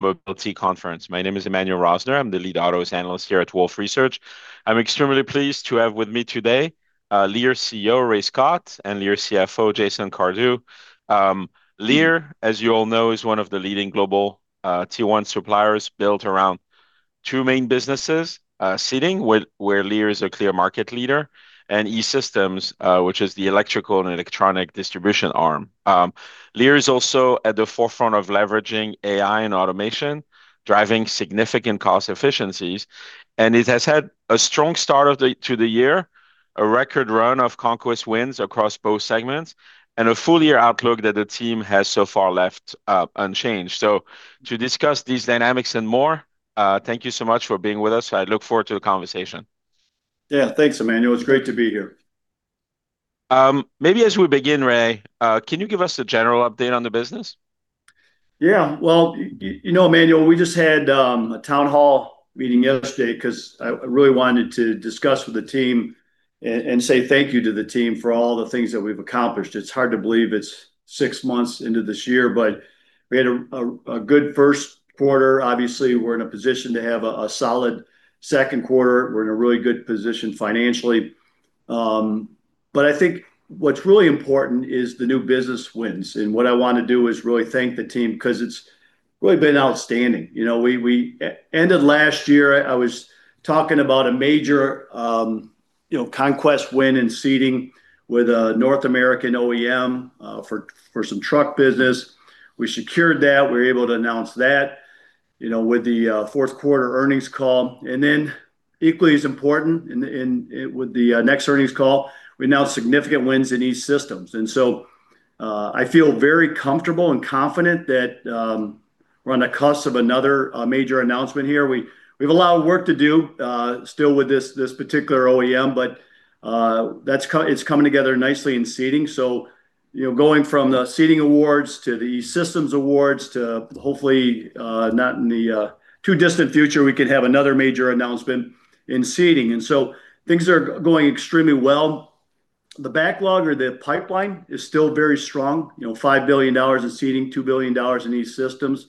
Mobility Conference. My name is Emmanuel Rosner. I'm the lead autos analyst here at Wolfe Research. I'm extremely pleased to have with me today, Lear CEO Ray Scott, and Lear CFO Jason Cardew. Lear, as you all know, is one of the leading global Tier 1 suppliers built around two main businesses, seating, where Lear is a clear market leader, and E-Systems, which is the electrical and electronic distribution arm. Lear is also at the forefront of leveraging AI and automation, driving significant cost efficiencies, and it has had a strong start to the year, a record run of conquest wins across both segments, and a full-year outlook that the team has so far left unchanged. To discuss these dynamics and more, thank you so much for being with us. I look forward to the conversation. Yeah. Thanks, Emmanuel. It's great to be here. Maybe as we begin, Ray, can you give us a general update on the business? Yeah. Well, you know, Emmanuel, we just had a town hall meeting yesterday because I really wanted to discuss with the team and say thank you to the team for all the things that we've accomplished. It's hard to believe it's six months into this year, but we had a good first quarter. Obviously, we're in a position to have a solid second quarter. We're in a really good position financially. I think what's really important is the new business wins. What I want to do is really thank the team because it's really been outstanding. We ended last year, I was talking about a major conquest win in seating with a North American OEM for some truck business. We secured that. We were able to announce that with the fourth quarter earnings call. Equally as important with the next earnings call, we announced significant wins in E-Systems. I feel very comfortable and confident that we're on the cusp of another major announcement here. We've allowed work to do still with this particular OEM, but it's coming together nicely in Seating. Going from the Seating awards to the E-Systems awards to hopefully, not in the too distant future, we could have another major announcement in Seating. Things are going extremely well. The backlog or the pipeline is still very strong, $5 billion in Seating, $2 billion in E-Systems.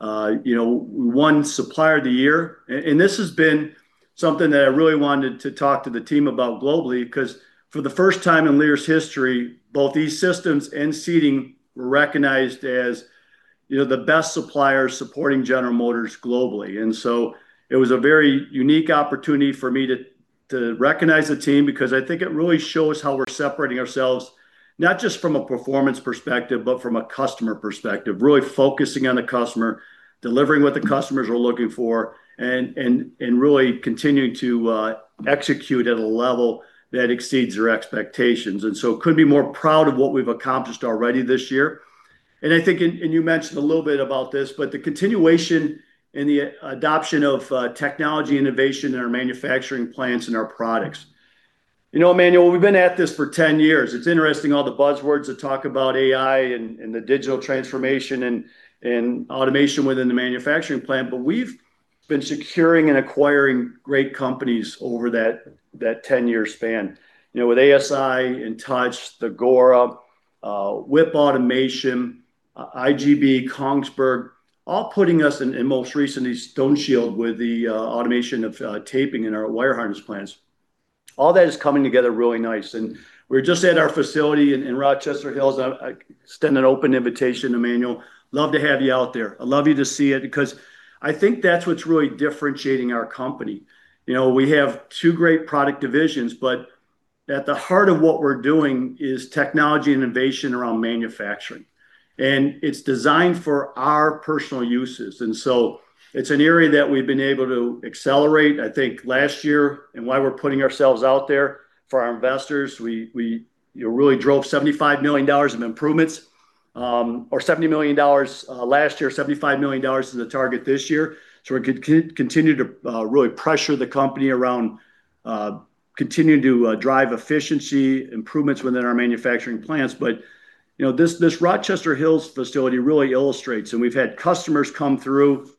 We won Supplier of the Year, and this has been something that I really wanted to talk to the team about globally because for the first time in Lear's history, both E-Systems and Seating were recognized as the best suppliers supporting General Motors globally. It was a very unique opportunity for me to recognize the team because I think it really shows how we're separating ourselves, not just from a performance perspective, but from a customer perspective, really focusing on the customer, delivering what the customers are looking for, and really continuing to execute at a level that exceeds their expectations. Couldn't be more proud of what we've accomplished already this year. I think, and you mentioned a little bit about this, but the continuation and the adoption of technology innovation in our manufacturing plants and our products. You know, Emmanuel, we've been at this for 10 years. It's interesting all the buzzwords that talk about AI and the digital transformation and automation within the manufacturing plant, but we've been securing and acquiring great companies over that 10-year span. With ASI, InTouch, Thagora, WIP Automation, IGB, Kongsberg, all putting us, and most recently StoneShield with the automation of taping in our wire harness plants. All that is coming together really nice, and we're just at our facility in Rochester Hills. I extend an open invitation, Emmanuel. Love to have you out there. I'd love you to see it because I think that's what's really differentiating our company. We have two great product divisions, but at the heart of what we're doing is technology innovation around manufacturing, and it's designed for our personal uses. It's an area that we've been able to accelerate, I think, last year and why we're putting ourselves out there for our investors. We really drove $75 million of improvements, or $70 million last year, $75 million is the target this year. We continue to really pressure the company around continuing to drive efficiency improvements within our manufacturing plants. This Rochester Hills facility really illustrates, and we've had customers come through.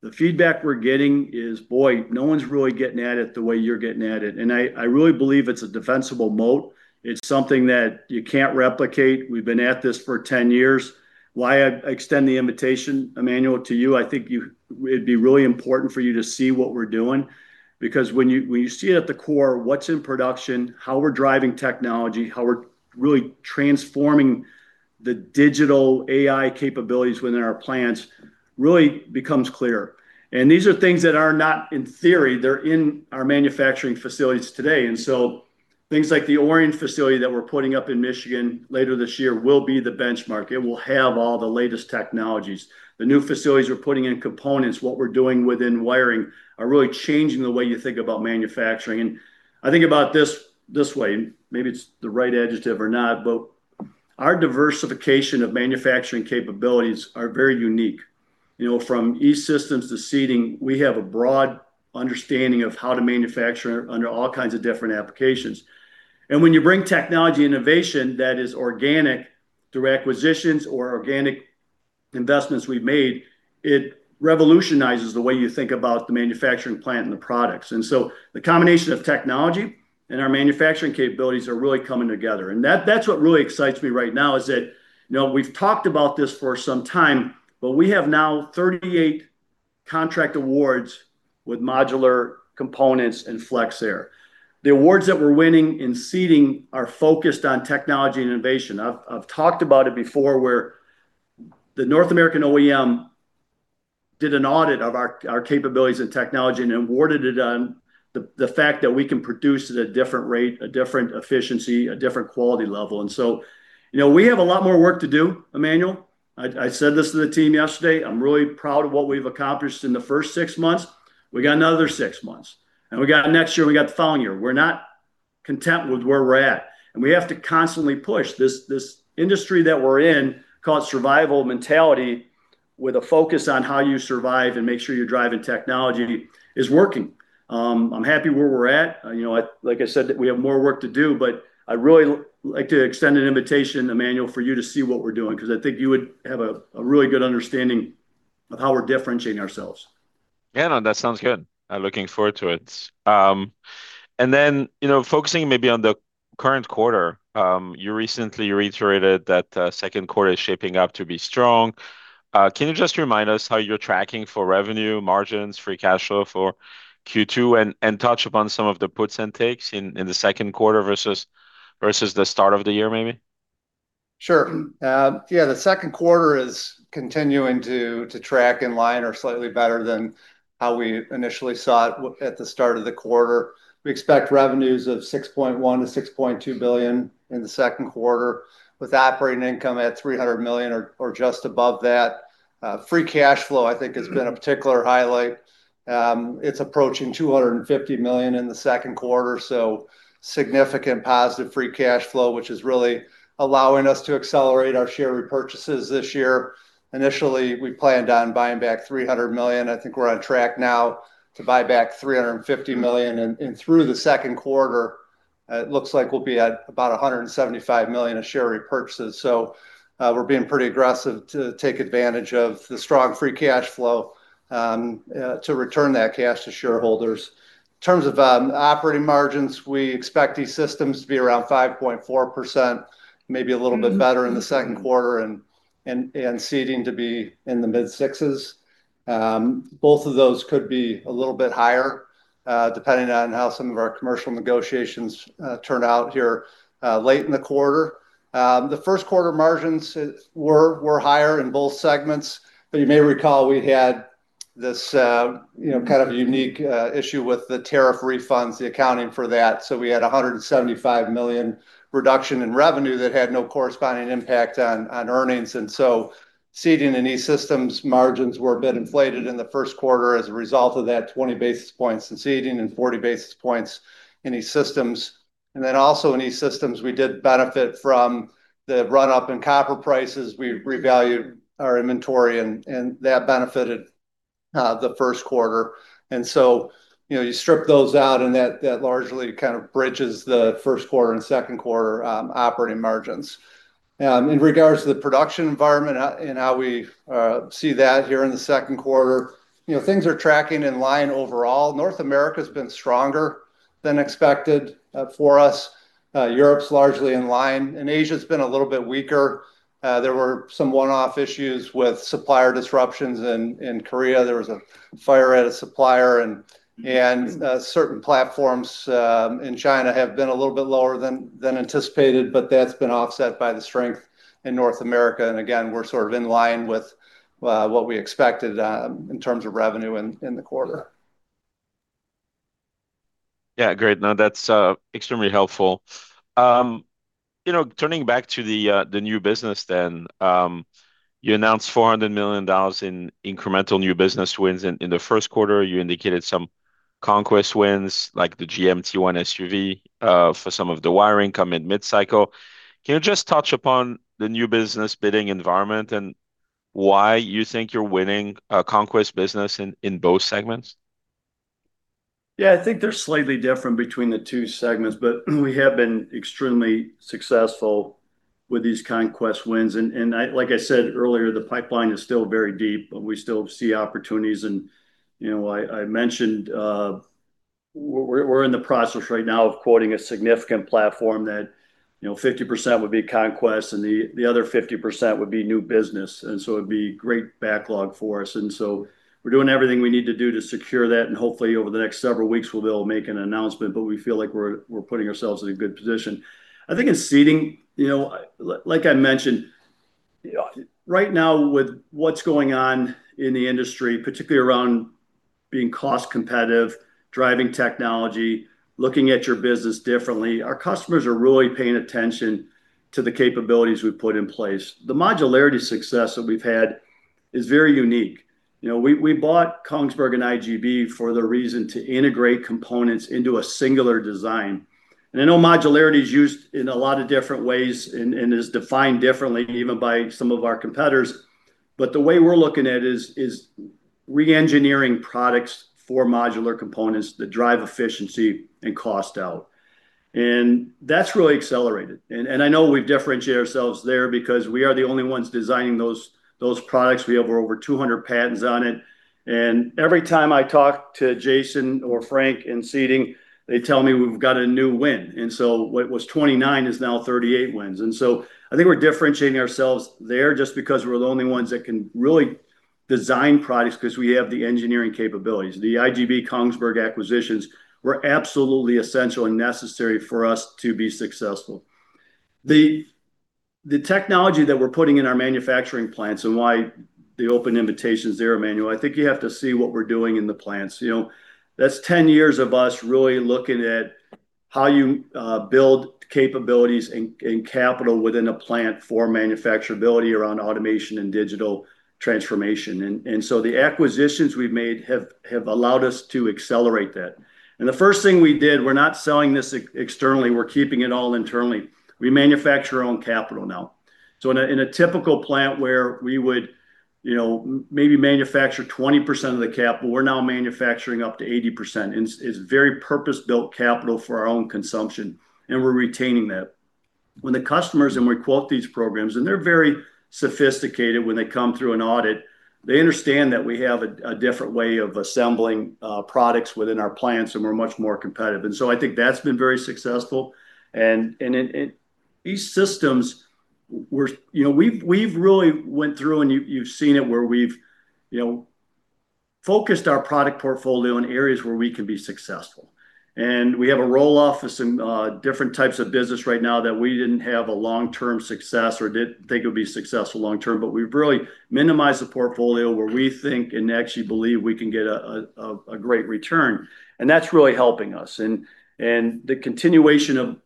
The feedback we're getting is, "Boy, no one's really getting at it the way you're getting at it." I really believe it's a defensible moat. It's something that you can't replicate. We've been at this for 10 years. Why I extend the invitation, Emmanuel, to you, I think it'd be really important for you to see what we're doing because when you see it at the core, what's in production, how we're driving technology, how we're really transforming the digital AI capabilities within our plants really becomes clear. These are things that are not in theory. They're in our manufacturing facilities today. Things like the Orion facility that we're putting up in Michigan later this year will be the benchmark. It will have all the latest technologies. The new facilities we're putting in components, what we're doing within wiring are really changing the way you think about manufacturing. I think about this way, and maybe it's the right adjective or not, but our diversification of manufacturing capabilities are very unique. From E-Systems to seating, we have a broad understanding of how to manufacture under all kinds of different applications. When you bring technology innovation that is organic through acquisitions or organic investments we've made, it revolutionizes the way you think about the manufacturing plant and the products. The combination of technology and our manufacturing capabilities are really coming together. That's what really excites me right now, is that we've talked about this for some time, but we have now 38 contract awards with modular components and FlexAir. The awards that we're winning in seating are focused on technology and innovation. I've talked about it before, where the North American OEM did an audit of our capabilities and technology and awarded it on the fact that we can produce at a different rate, a different efficiency, a different quality level. We have a lot more work to do, Emmanuel. I said this to the team yesterday. I'm really proud of what we've accomplished in the first six months. We got another six months, and we got next year, we got the following year. We're not content with where we're at, and we have to constantly push. This industry that we're in, call it survival mentality, with a focus on how you survive and make sure you're driving technology, is working. I'm happy where we're at. Like I said, we have more work to do, but I'd really like to extend an invitation, Emmanuel, for you to see what we're doing, because I think you would have a really good understanding of how we're differentiating ourselves. Yeah, no, that sounds good. I'm looking forward to it. Focusing maybe on the current quarter, you recently reiterated that second quarter is shaping up to be strong. Can you just remind us how you're tracking for revenue margins, free cash flow for Q2, and touch upon some of the puts and takes in the second quarter versus the start of the year, maybe? Sure. The second quarter is continuing to track in line or slightly better than how we initially saw it at the start of the quarter. We expect revenues of $6.1 billion-$6.2 billion in the second quarter, with operating income at $300 million or just above that. Free cash flow, I think, has been a particular highlight. It's approaching $250 million in the second quarter, significant positive free cash flow, which is really allowing us to accelerate our share repurchases this year. Initially, we planned on buying back $300 million. I think we're on track now to buy back $350 million. Through the second quarter, it looks like we'll be at about $175 million of share repurchases. We're being pretty aggressive to take advantage of the strong free cash flow to return that cash to shareholders. In terms of operating margins, we expect E-Systems to be around 5.4%, maybe a little bit better in the second quarter, and seating to be in the mid-sixes. Both of those could be a little bit higher, depending on how some of our commercial negotiations turn out here late in the quarter. The first quarter margins were higher in both segments, you may recall we had this kind of unique issue with the tariff refunds, the accounting for that. We had $175 million reduction in revenue that had no corresponding impact on earnings. Seating and E-Systems margins were a bit inflated in the first quarter as a result of that, 20 basis points in Seating and 40 basis points in E-Systems. Also in E-Systems, we did benefit from the run-up in copper prices. We revalued our inventory, that benefited the first quarter. You strip those out, that largely kind of bridges the first quarter and second quarter operating margins. In regards to the production environment and how we see that here in the second quarter, things are tracking in line overall. North America has been stronger than expected for us. Europe's largely in line, Asia's been a little bit weaker. There were some one-off issues with supplier disruptions in Korea. There was a fire at a supplier, certain platforms in China have been a little bit lower than anticipated, that's been offset by the strength in North America. Again, we're sort of in line with what we expected in terms of revenue in the quarter. Great. That's extremely helpful. Turning back to the new business. You announced $400 million in incremental new business wins in the first quarter. You indicated some conquest wins, like the GMT1 SUV, for some of the wiring coming mid-cycle. Can you just touch upon the new business bidding environment and why you think you're winning conquest business in both segments? I think they're slightly different between the two segments, we have been extremely successful with these conquest wins. Like I said earlier, the pipeline is still very deep, we still see opportunities. I mentioned we're in the process right now of quoting a significant platform that 50% would be conquest and the other 50% would be new business, it'd be great backlog for us. We're doing everything we need to do to secure that, hopefully over the next several weeks, we'll be able to make an announcement. We feel like we're putting ourselves in a good position. I think in Seating, like I mentioned, right now with what's going on in the industry, particularly around being cost competitive, driving technology, looking at your business differently, our customers are really paying attention to the capabilities we've put in place. The modularity success that we've had is very unique. We bought Kongsberg and IGB for the reason to integrate components into a singular design. I know modularity is used in a lot of different ways and is defined differently even by some of our competitors. The way we're looking at it is re-engineering products for modular components that drive efficiency and cost out. That's really accelerated. I know we differentiate ourselves there because we are the only ones designing those products. We have over 200 patents on it. Every time I talk to Jason or Frank in Seating, they tell me we've got a new win. What was 29 is now 38 wins. I think we're differentiating ourselves there just because we're the only ones that can really design products because we have the engineering capabilities. The IGB Kongsberg acquisitions were absolutely essential and necessary for us to be successful. The technology that we're putting in our manufacturing plants and why the open invitation is there, Emmanuel, I think you have to see what we're doing in the plants. That's 10 years of us really looking at how you build capabilities and capital within a plant for manufacturability around automation and digital transformation. The acquisitions we've made have allowed us to accelerate that. The first thing we did, we're not selling this externally, we're keeping it all internally. We manufacture our own capital now. In a typical plant where we would maybe manufacture 20% of the capital, we're now manufacturing up to 80%, and it's very purpose-built capital for our own consumption, and we're retaining that. When the customers, we quote these programs, they're very sophisticated when they come through an audit, they understand that we have a different way of assembling products within our plants, and we're much more competitive. I think that's been very successful. These systems, we've really went through, you've seen it, where we've focused our product portfolio in areas where we can be successful. We have a roll-off of some different types of business right now that we didn't have a long-term success or didn't think it would be successful long-term, we've really minimized the portfolio where we think and actually believe we can get a great return, and that's really helping us. The continuation of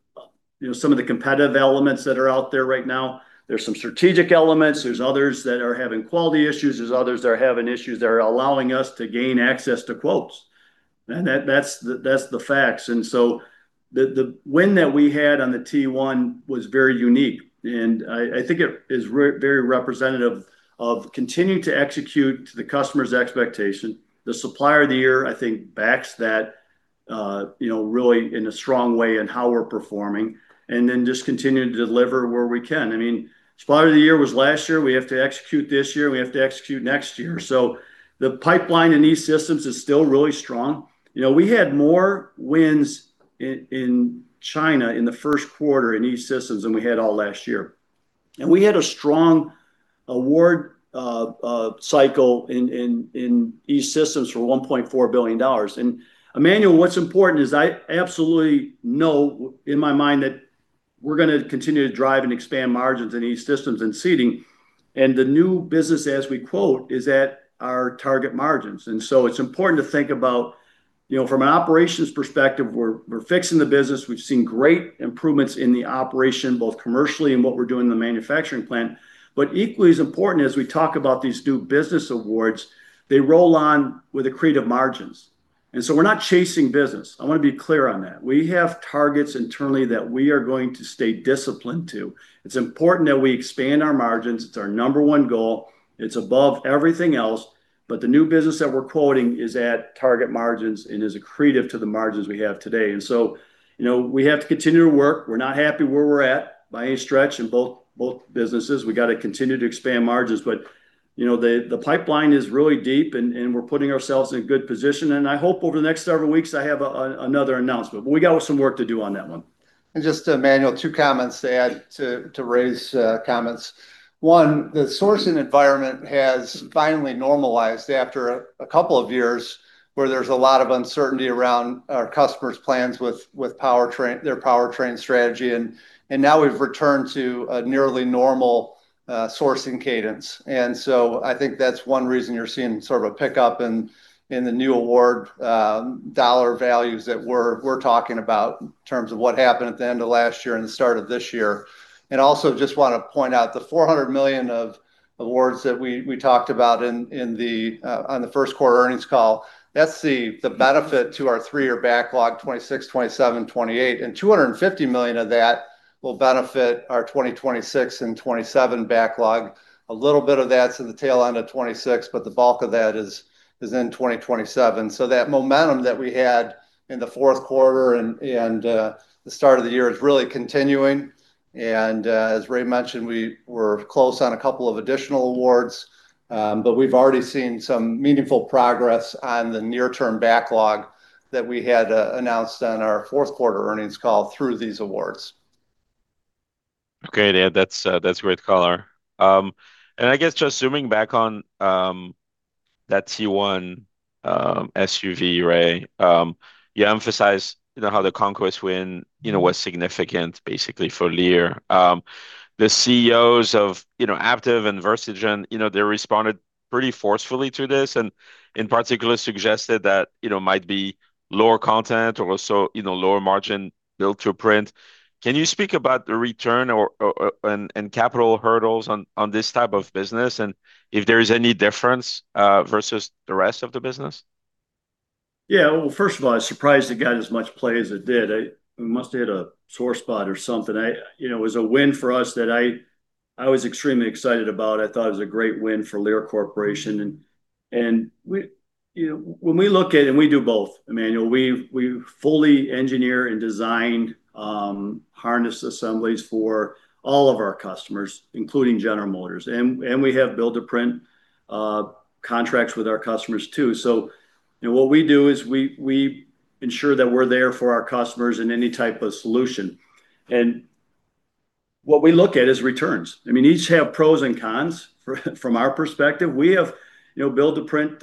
some of the competitive elements that are out there right now, there's some strategic elements, there's others that are having quality issues, there's others that are having issues that are allowing us to gain access to quotes. That's the facts. The win that we had on the T1 was very unique, and I think it is very representative of continuing to execute to the customer's expectation. The Supplier of the Year, I think, backs that really in a strong way in how we're performing, and then just continuing to deliver where we can. Supplier of the Year was last year. We have to execute this year. We have to execute next year. The pipeline in E-Systems is still really strong. We had more wins in China in the first quarter in E-Systems than we had all last year. We had a strong award cycle in E-Systems for $1.4 billion. Emmanuel, what's important is I absolutely know in my mind that we're going to continue to drive and expand margins in E-Systems and Seating, and the new business, as we quote, is at our target margins. It's important to think about from an operations perspective, we're fixing the business. We've seen great improvements in the operation, both commercially and what we're doing in the manufacturing plant. Equally as important as we talk about these new business awards, they roll on with accretive margins. We're not chasing business. I want to be clear on that. We have targets internally that we are going to stay disciplined to. It's important that we expand our margins. It's our number 1 goal. It's above everything else. The new business that we're quoting is at target margins and is accretive to the margins we have today. We have to continue to work. We're not happy where we're at by any stretch in both businesses. We got to continue to expand margins. The pipeline is really deep, and we're putting ourselves in a good position. I hope over the next several weeks, I have another announcement. We got some work to do on that one. Just to Emmanuel, two comments to add, to Ray's comments. One, the sourcing environment has finally normalized after a couple of years where there's a lot of uncertainty around our customers' plans with their powertrain strategy, and now we've returned to a nearly normal sourcing cadence. I think that's one reason you're seeing sort of a pickup in the new award dollar values that we're talking about in terms of what happened at the end of last year and the start of this year. Also just want to point out the $400 million of awards that we talked about on the first quarter earnings call, that's the benefit to our three-year backlog, 2026, 2027, 2028, and $250 million of that will benefit our 2026 and 2027 backlog. A little bit of that's in the tail end of 2026, but the bulk of that is in 2027. That momentum that we had in the fourth quarter and the start of the year is really continuing. As Ray mentioned, we were close on a couple of additional awards, but we've already seen some meaningful progress on the near-term backlog that we had announced on our fourth quarter earnings call through these awards. That's great color. I guess just zooming back on that T1 SUV, Ray, you emphasized how the Conquest win was significant basically for Lear. The CEOs of Aptiv and Versogen, they responded pretty forcefully to this, and in particular suggested that might be lower content or also lower margin build-to-print. Can you speak about the return and capital hurdles on this type of business, and if there is any difference versus the rest of the business? Well, first of all, I was surprised it got as much play as it did. It must've hit a sore spot or something. It was a win for us that I was extremely excited about. I thought it was a great win for Lear Corporation. When we look at it, and we do both, Emmanuel, we've fully engineer and designed harness assemblies for all of our customers, including General Motors, and we have build-to-print contracts with our customers, too. What we do is we ensure that we're there for our customers in any type of solution. What we look at is returns. Each have pros and cons from our perspective. We have build-to-print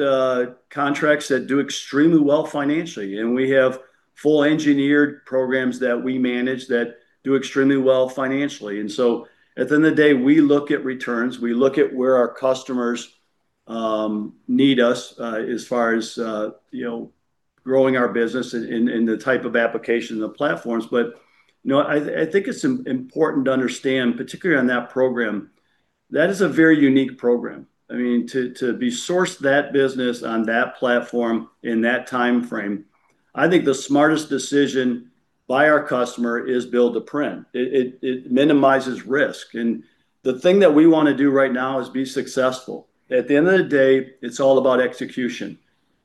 contracts that do extremely well financially, and we have full engineered programs that we manage that do extremely well financially. At the end of the day, we look at returns, we look at where our customers need us, as far as growing our business in the type of applications and platforms. I think it's important to understand, particularly on that program, that is a very unique program. To be sourced that business on that platform in that timeframe, I think the smartest decision by our customer is build-to-print. It minimizes risk. The thing that we want to do right now is be successful. At the end of the day, it's all about execution.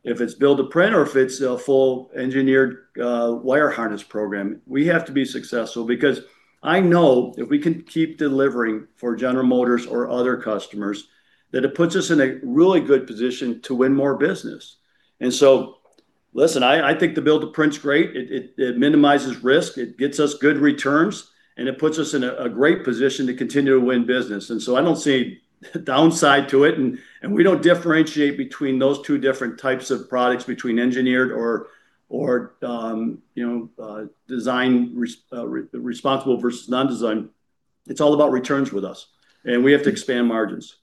If it's build-to-print or if it's a full engineered wire harness program, we have to be successful, because I know if we can keep delivering for General Motors or other customers, that it puts us in a really good position to win more business. Listen, I think the build-to-print's great. It minimizes risk, it gets us good returns, and it puts us in a great position to continue to win business. I don't see a downside to it. We don't differentiate between those two different types of products, between engineered or design responsible versus non-design. It's all about returns with us, and we have to expand margins.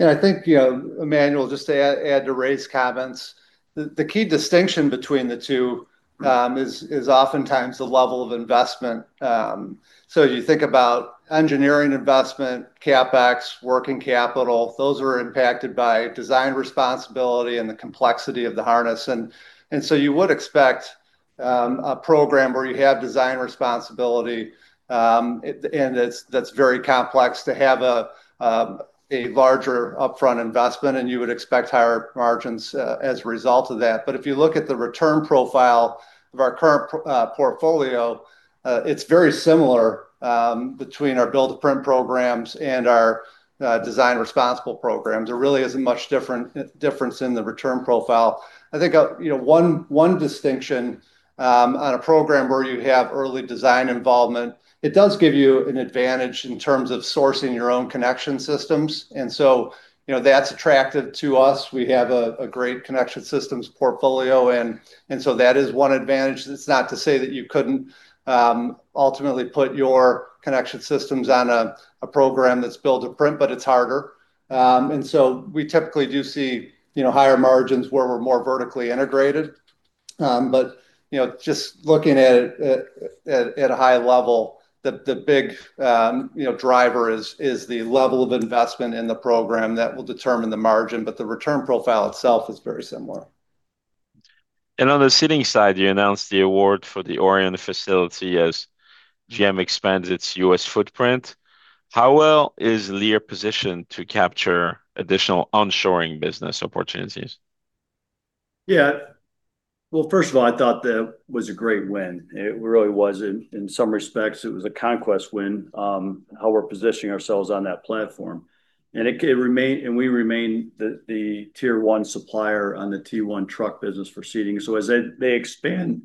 I think, Emmanuel, just to add to Ray's comments, the key distinction between the two is oftentimes the level of investment. You think about engineering investment, CapEx, working capital, those are impacted by design responsibility and the complexity of the harness. You would expect a program where you have design responsibility, and that's very complex to have a larger upfront investment, and you would expect higher margins as a result of that. If you look at the return profile of our current portfolio, it's very similar between our build-to-print programs and our design responsible programs. There really isn't much difference in the return profile. I think, one distinction on a program where you have early design involvement, it does give you an advantage in terms of sourcing your own connection systems. That's attractive to us. We have a great connection systems portfolio, and so that is one advantage. That's not to say that you couldn't ultimately put your connection systems on a program that's build-to-print, but it's harder. We typically do see higher margins where we're more vertically integrated. Just looking at it at a high level, the big driver is the level of investment in the program that will determine the margin, but the return profile itself is very similar. On the Seating side, you announced the award for the Orion facility as GM expands its U.S. footprint. How well is Lear positioned to capture additional onshoring business opportunities? Well, first of all, I thought that was a great win. It really was. In some respects, it was a conquest win, how we're positioning ourselves on that platform. We remain the Tier 1 supplier on the T1 truck business for seating. As they expand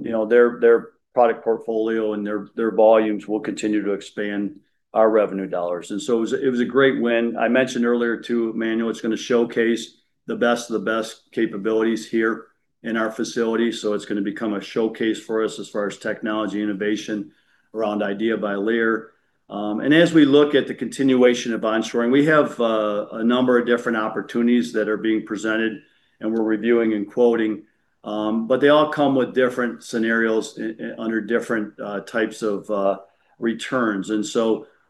their product portfolio and their volumes will continue to expand our revenue dollars. It was a great win. I mentioned earlier, too, Emmanuel, it's going to showcase the best of the best capabilities here in our facility, so it's going to become a showcase for us as far as technology innovation around IDEA by Lear. As we look at the continuation of onshoring, we have a number of different opportunities that are being presented and we're reviewing and quoting, but they all come with different scenarios under different types of returns.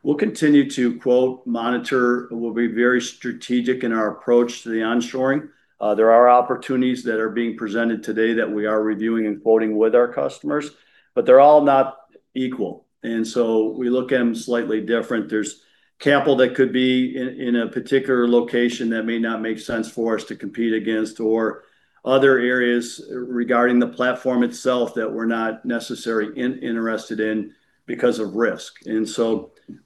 We'll continue to quote, monitor. We'll be very strategic in our approach to the onshoring. There are opportunities that are being presented today that we are reviewing and quoting with our customers, but they're all not equal, we look at them slightly different. There's capital that could be in a particular location that may not make sense for us to compete against, or other areas regarding the platform itself that we're not necessarily interested in because of risk.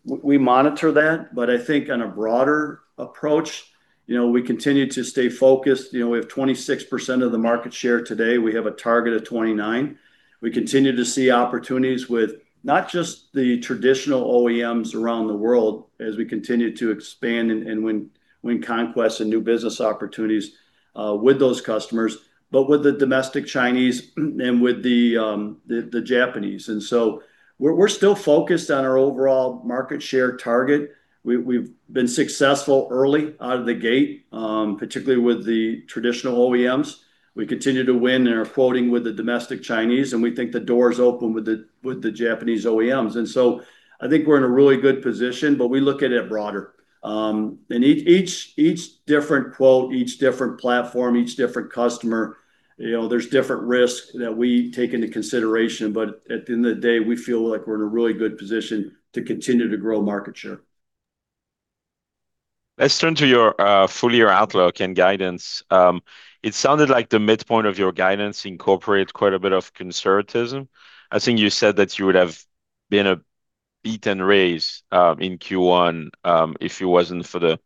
We monitor that. I think on a broader approach, we continue to stay focused. We have 26% of the market share today. We have a target of 29. We continue to see opportunities with not just the traditional OEMs around the world as we continue to expand and win conquests and new business opportunities, with those customers, but with the domestic Chinese and with the Japanese. We're still focused on our overall market share target. We've been successful early out of the gate, particularly with the traditional OEMs. We continue to win and are quoting with the domestic Chinese, we think the door's open with the Japanese OEMs. I think we're in a really good position, we look at it broader. Each different quote, each different platform, each different customer, there's different risk that we take into consideration. At the end of the day, we feel like we're in a really good position to continue to grow market share. Let's turn to your full year outlook and guidance. It sounded like the midpoint of your guidance incorporates quite a bit of conservatism. I think you said that you would have been a beaten race in Q1, if it wasn't for the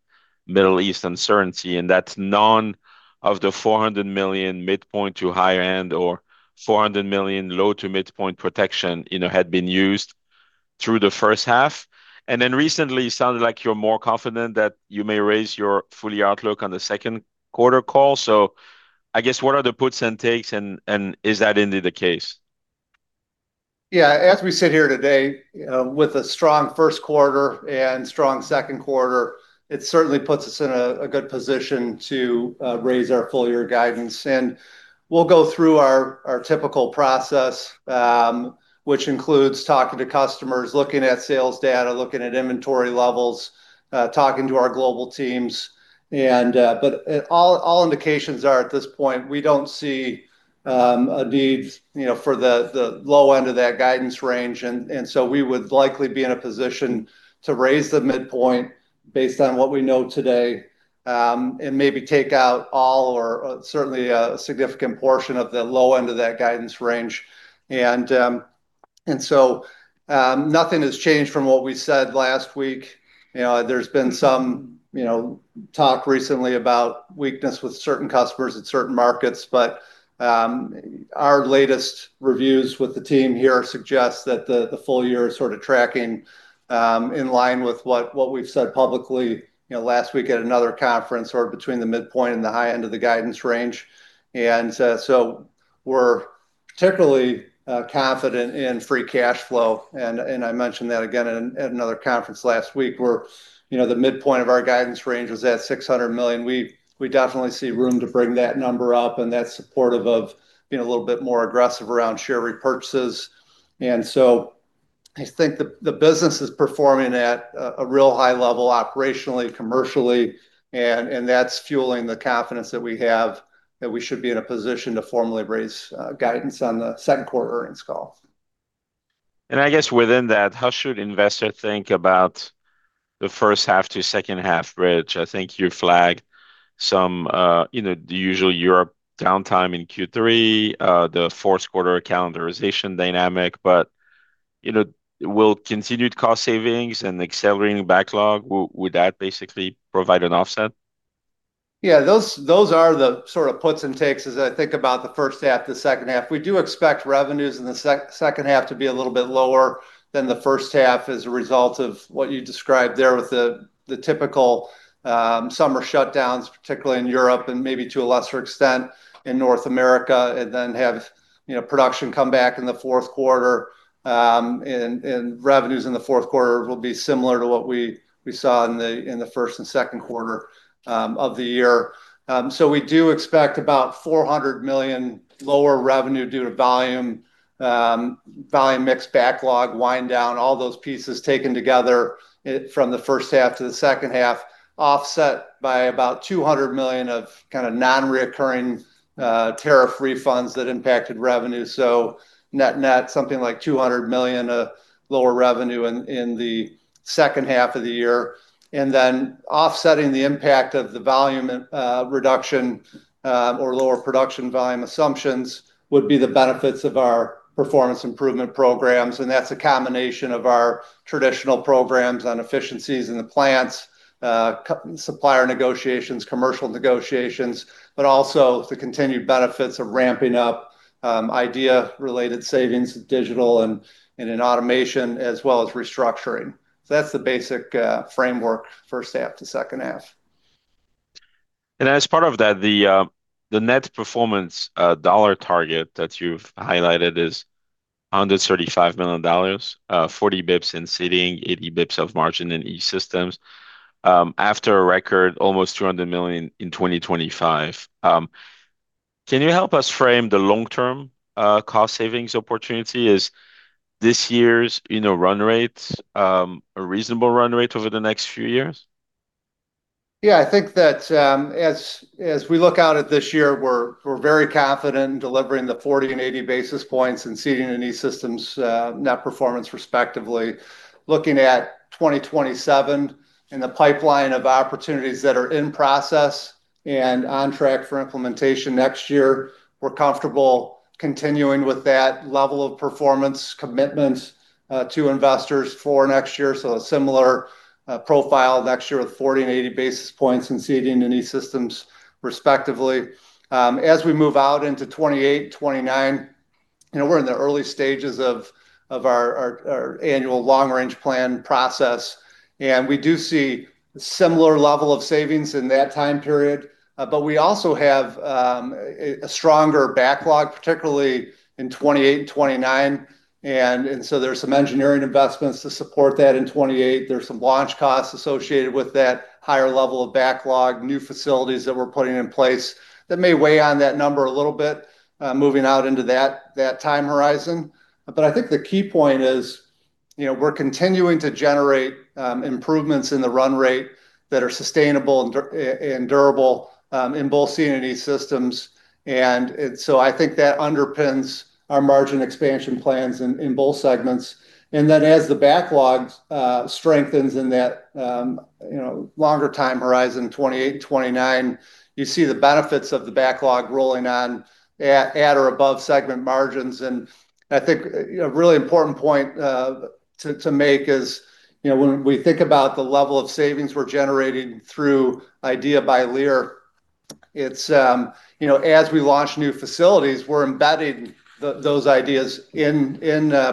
Middle East uncertainty, and that none of the $400 million midpoint to higher end or $400 million low to midpoint protection had been used through the first half. Recently it sounded like you're more confident that you may raise your full year outlook on the second quarter call. I guess, what are the puts and takes and is that indeed the case? Yeah. As we sit here today, with a strong first quarter and strong second quarter, it certainly puts us in a good position to raise our full year guidance. We'll go through our typical process, which includes talking to customers, looking at sales data, looking at inventory levels, talking to our global teams. All indications are at this point, we don't see a need for the low end of that guidance range. We would likely be in a position to raise the midpoint based on what we know today, and maybe take out all or certainly a significant portion of the low end of that guidance range. Nothing has changed from what we said last week. There's been some talk recently about weakness with certain customers at certain markets, but our latest reviews with the team here suggest that the full year is sort of tracking in line with what we've said publicly, last week at another conference, between the midpoint and the high end of the guidance range. We're particularly confident in free cash flow and I mentioned that again at another conference last week where the midpoint of our guidance range was at $600 million. We definitely see room to bring that number up, and that's supportive of being a little bit more aggressive around share repurchases. I think the business is performing at a real high level operationally, commercially, and that's fueling the confidence that we have that we should be in a position to formally raise guidance on the second quarter earnings call. I guess within that, how should investors think about the first half to second half bridge? I think you flagged some, the usual Europe downtime in Q3, the fourth quarter calendarization dynamic. Will continued cost savings and accelerating backlog, would that basically provide an offset? Yeah, those are the sort of puts and takes as I think about the first half to the second half. We do expect revenues in the second half to be a little bit lower than the first half as a result of what you described there with the typical summer shutdowns, particularly in Europe and maybe to a lesser extent in North America. Production come back in the fourth quarter, and revenues in the fourth quarter will be similar to what we saw in the first and second quarter of the year. We do expect about $400 million lower revenue due to volume mix backlog, wind down, all those pieces taken together from the first half to the second half, offset by about $200 million of non-recurring tariff refunds that impacted revenue. Net something like $200 million lower revenue in the second half of the year. Offsetting the impact of the volume reduction, or lower production volume assumptions would be the benefits of our performance improvement programs. That's a combination of our traditional programs on efficiencies in the plants, supplier negotiations, commercial negotiations, but also the continued benefits of ramping up IDEA by Lear related savings, digital and in automation as well as restructuring. That's the basic framework first half to second half. As part of that, the net performance dollar target that you've highlighted is $135 million, 40 basis points in Seating, 80 basis points of margin in E-Systems, after a record almost $200 million in 2025. Can you help us frame the long-term cost savings opportunity? Is this year's run rate a reasonable run rate over the next few years? Yeah, I think that, as we look out at this year, we're very confident in delivering the 40 and 80 basis points in Seating and E-Systems net performance respectively. Looking at 2027 and the pipeline of opportunities that are in process and on track for implementation next year, we're comfortable continuing with that level of performance commitment to investors for next year. A similar profile next year with 40 and 80 basis points in Seating and E-Systems respectively. As we move out into 2028, 2029, we're in the early stages of our annual long range plan process, we do see similar level of savings in that time period. We also have a stronger backlog, particularly in 2028 and 2029. There's some engineering investments to support that in 2028. There's some launch costs associated with that higher level of backlog, new facilities that we're putting in place that may weigh on that number a little bit, moving out into that time horizon. I think the key point is We're continuing to generate improvements in the run rate that are sustainable and durable in both Seating and E-Systems. I think that underpins our margin expansion plans in both segments. As the backlogs strengthens in that longer time horizon, 2028, 2029, you see the benefits of the backlog rolling on at or above segment margins. I think a really important point to make is when we think about the level of savings we're generating through IDEA by Lear, as we launch new facilities, we're embedding those ideas in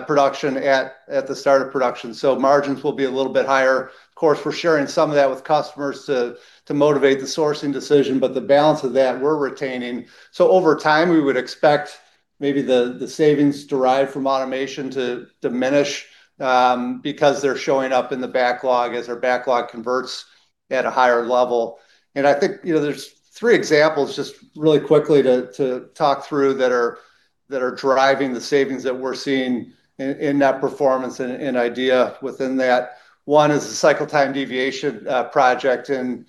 production at the start of production. Margins will be a little bit higher. Of course, we're sharing some of that with customers to motivate the sourcing decision, but the balance of that we're retaining. Over time, we would expect maybe the savings derived from automation to diminish, because they're showing up in the backlog as our backlog converts at a higher level. I think, there's three examples just really quickly to talk through that are driving the savings that we're seeing in that performance and in IDEA within that. One is the cycle time deviation project in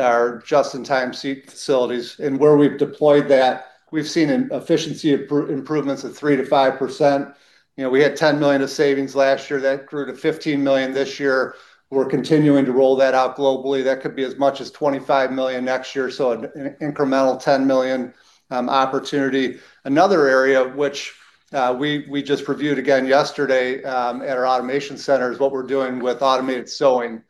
our just-in-time seat facilities. Where we've deployed that, we've seen an efficiency improvements of 3%-5%. We had $10 million of savings last year, that grew to $15 million this year. We're continuing to roll that out globally. That could be as much as $25 million next year, so an incremental $10 million opportunity. Another area which we just reviewed again yesterday, at our automation center, is what we're doing with automated sewing.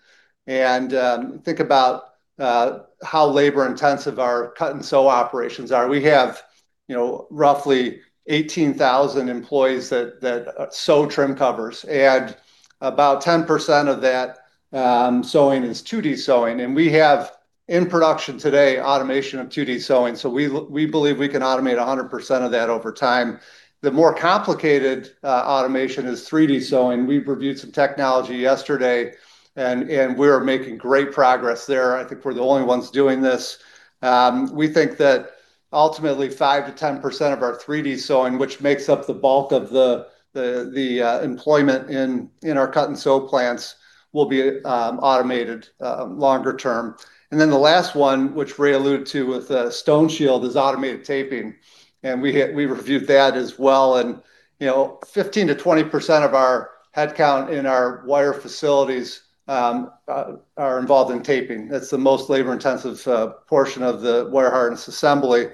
Think about how labor intensive our cut-and-sew operations are. We have roughly 18,000 employees that sew trim covers, and about 10% of that sewing is 2D sewing. We have in production today, automation of 2D sewing. We believe we can automate 100% of that over time. The more complicated automation is 3D sewing. We've reviewed some technology yesterday, and we are making great progress there. I think we're the only ones doing this. We think that ultimately, 5%-10% of our 3D sewing, which makes up the bulk of the employment in our cut-and-sew plants, will be automated longer term. The last one, which Ray alluded to with StoneShield, is automated taping, and we reviewed that as well. 15%-20% of our headcount in our wire facilities are involved in taping. That's the most labor intensive portion of the wire harness assembly.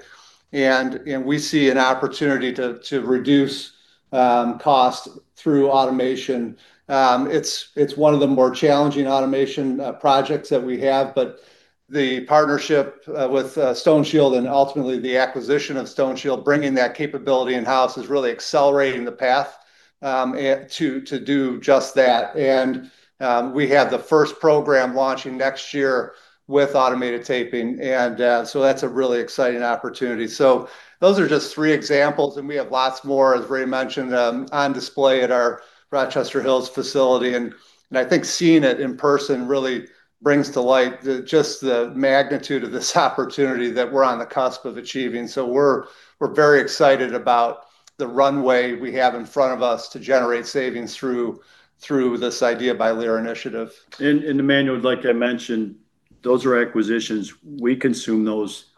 We see an opportunity to reduce cost through automation. It's one of the more challenging automation projects that we have, but the partnership with StoneShield and ultimately the acquisition of StoneShield, bringing that capability in-house, is really accelerating the path to do just that. We have the first program launching next year with automated taping, that's a really exciting opportunity. Those are just three examples, and we have lots more, as Ray mentioned, on display at our Rochester Hills facility. I think seeing it in person really brings to light just the magnitude of this opportunity that we're on the cusp of achieving. We're very excited about the runway we have in front of us to generate savings through this IDEA by Lear initiative. Emmanuel, like I mentioned, those are acquisitions. We consume those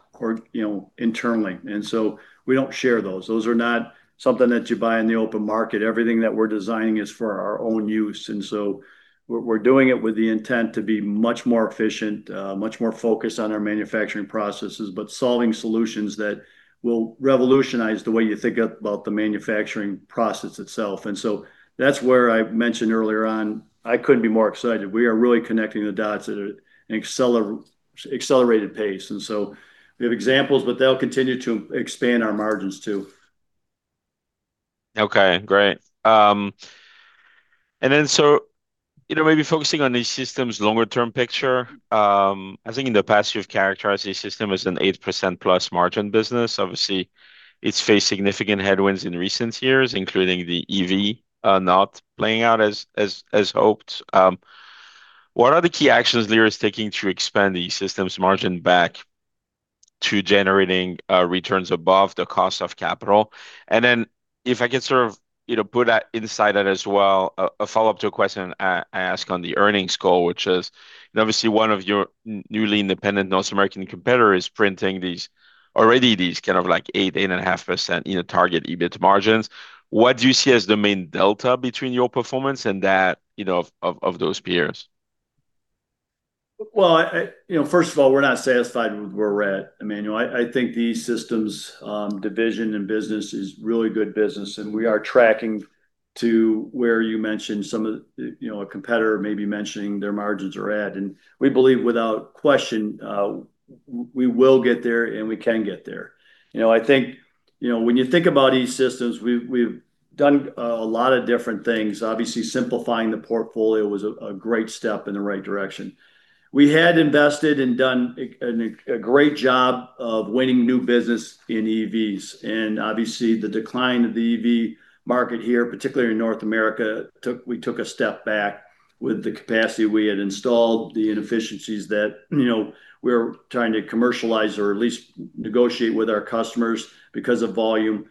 internally, and so we don't share those. Those are not something that you buy in the open market. Everything that we're designing is for our own use. We're doing it with the intent to be much more efficient, much more focused on our manufacturing processes, but solving solutions that will revolutionize the way you think about the manufacturing process itself. That's where I mentioned earlier on I couldn't be more excited. We are really connecting the dots at an accelerated pace. We have examples, but they'll continue to expand our margins, too. Okay, great. Maybe focusing on these E-Systems' longer term picture, I think in the past you've characterized E-Systems as an 8% plus margin business. Obviously, it's faced significant headwinds in recent years, including the EV, not playing out as hoped. What are the key actions Lear is taking to expand the E-Systems margin back to generating returns above the cost of capital? If I could sort of put that inside that as well, a follow-up to a question I asked on the earnings call, which is obviously one of your newly independent North American competitor is printing these, already these kind of like 8%, 8.5% target EBIT margins. What do you see as the main delta between your performance and that of those peers? Well, first of all, we're not satisfied with where we're at, Emmanuel. I think the E-Systems division and business is really good business, and we are tracking to where you mentioned some of, a competitor may be mentioning their margins are at, and we believe without question, we will get there, and we can get there. When you think about E-Systems, we've done a lot of different things. Obviously, simplifying the portfolio was a great step in the right direction. We had invested and done a great job of winning new business in EVs, and obviously the decline of the EV market here, particularly in North America, we took a step back With the capacity we had installed, the inefficiencies that we were trying to commercialize or at least negotiate with our customers because of volume.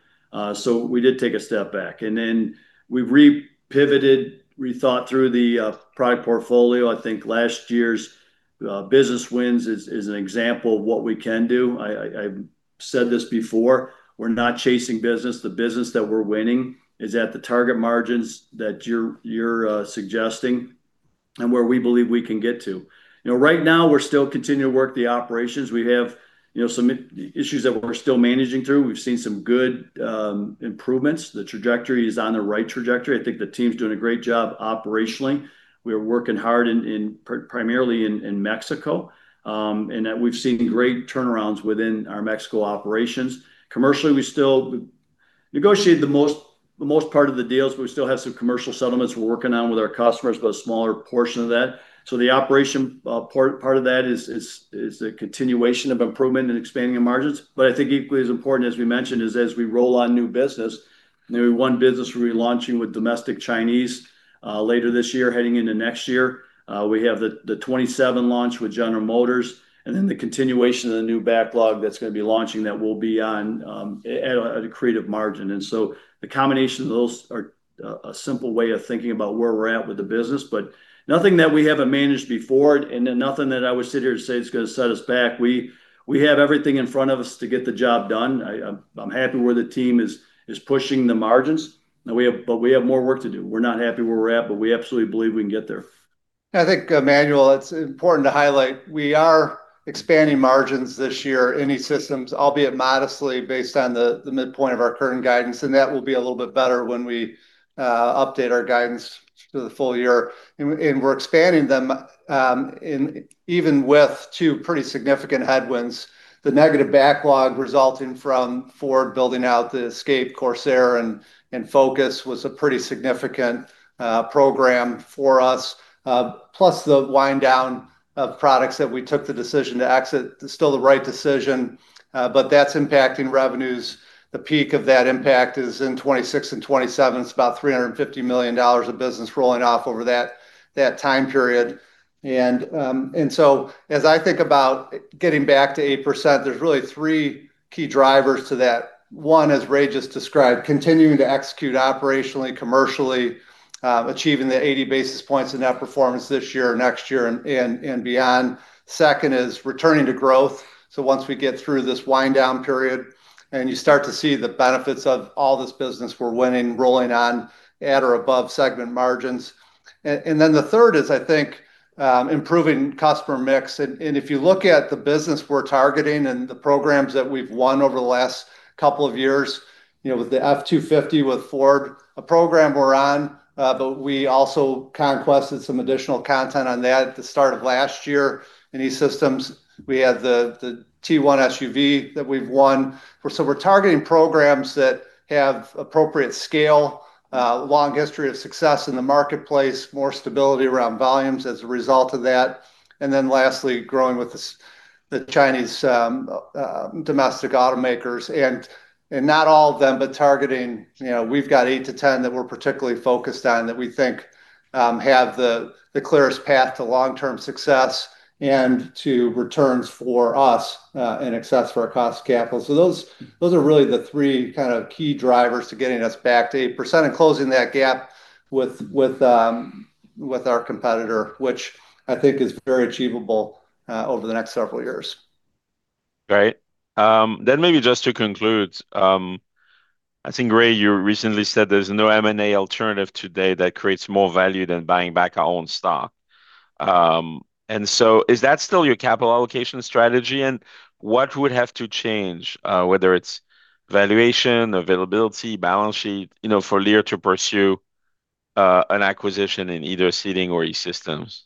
We did take a step back, and then we repivoted, rethought through the product portfolio. I think last year's business wins is an example of what we can do. I've said this before, we're not chasing business. The business that we're winning is at the target margins that you're suggesting and where we believe we can get to. Right now, we're still continuing to work the operations. We have some issues that we're still managing through. We've seen some good improvements. The trajectory is on the right trajectory. I think the team's doing a great job operationally. We are working hard primarily in Mexico, and that we've seen great turnarounds within our Mexico operations. Commercially, we still negotiate the most part of the deals, but we still have some commercial settlements we're working on with our customers, but a smaller portion of that. The operation part of that is a continuation of improvement and expanding of margins. I think equally as important, as we mentioned, is as we roll out new business, one business we'll be launching with domestic Chinese later this year, heading into next year. We have the 2027 launch with General Motors, and then the continuation of the new backlog that's going to be launching that will be at an accretive margin. The combination of those are a simple way of thinking about where we're at with the business, but nothing that we haven't managed before, and nothing that I would sit here to say it's going to set us back. We have everything in front of us to get the job done. I'm happy where the team is pushing the margins. We have more work to do. We're not happy where we're at, but we absolutely believe we can get there. Emmanuel, it's important to highlight we are expanding margins this year, E-Systems, albeit modestly based on the midpoint of our current guidance, and that will be a little bit better when we update our guidance for the full year. We're expanding them, even with two pretty significant headwinds, the negative backlog resulting from Ford building out the Escape, Corsair, and Focus was a pretty significant program for us. Plus the wind down of products that we took the decision to exit. It's still the right decision, but that's impacting revenues. The peak of that impact is in 2026 and 2027. It's about $350 million of business rolling off over that time period. As I think about getting back to 8%, there's really three key drivers to that. One, as Ray just described, continuing to execute operationally, commercially, achieving the 80 basis points in that performance this year, next year, and beyond. Second is returning to growth. Once we get through this wind down period and you start to see the benefits of all this business we're winning rolling on at or above segment margins. The third is, I think, improving customer mix. If you look at the business we're targeting and the programs that we've won over the last couple of years, with the F-250 with Ford, a program we're on. We also conquested some additional content on that at the start of last year. In E-Systems, we had the T1 SUV that we've won. We're targeting programs that have appropriate scale, a long history of success in the marketplace, more stability around volumes as a result of that. Lastly, growing with the Chinese domestic automakers, not all of them, but targeting. We've got eight to 10 that we're particularly focused on that we think have the clearest path to long-term success and to returns for us, in excess for our cost of capital. Those are really the three kind of key drivers to getting us back to 8% and closing that gap with our competitor, which I think is very achievable over the next several years. Great. Maybe just to conclude, I think, Ray, you recently said there's no M&A alternative today that creates more value than buying back our own stock. Is that still your capital allocation strategy, and what would have to change, whether it's valuation, availability, balance sheet, for Lear to pursue an acquisition in either Seating or E-Systems?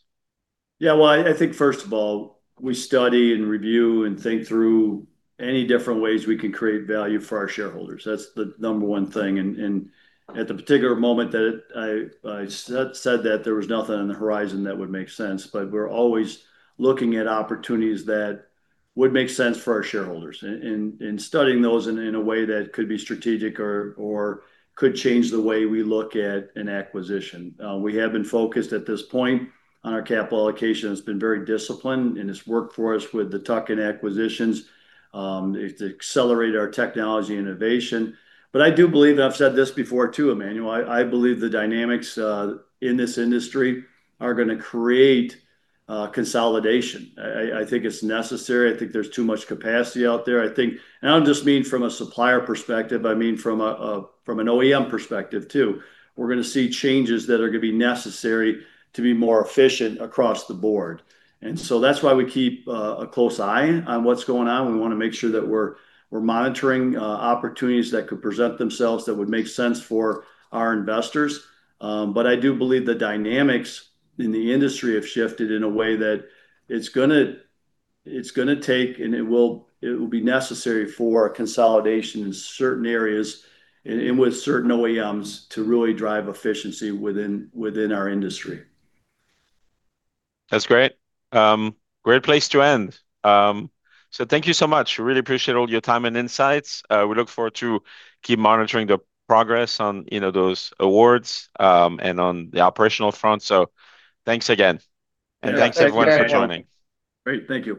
Yeah. Well, I think first of all, we study and review and think through any different ways we can create value for our shareholders. That's the number one thing. At the particular moment that I said that there was nothing on the horizon that would make sense. We're always looking at opportunities that would make sense for our shareholders and studying those in a way that could be strategic or could change the way we look at an acquisition. We have been focused at this point on our capital allocation. It's been very disciplined, and it's worked for us with the tuck-in acquisitions, to accelerate our technology innovation. I do believe, and I've said this before, too, Emmanuel, I believe the dynamics in this industry are going to create consolidation. I think it's necessary. I think there's too much capacity out there, I think. I don't just mean from a supplier perspective, I mean from an OEM perspective, too. We're going to see changes that are going to be necessary to be more efficient across the board. That's why we keep a close eye on what's going on. We want to make sure that we're monitoring opportunities that could present themselves that would make sense for our investors. I do believe the dynamics in the industry have shifted in a way that it's going to take, and it will be necessary for consolidation in certain areas and with certain OEMs to really drive efficiency within our industry. That's great. Great place to end. Thank you so much. Really appreciate all your time and insights. We look forward to keep monitoring the progress on those awards, and on the operational front. Thanks again. Yeah. Thanks, Emmanuel. Thanks everyone for joining. Great. Thank you.